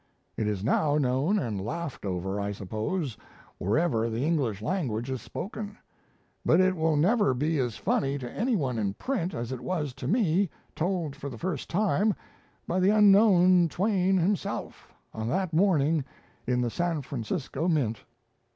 It is now known and laughed over, I suppose, wherever the English language is spoken; but it will never be as funny to anyone in print as it was to me, told for the first time, by the unknown Twain himself, on that morning in the San Francisco Mint."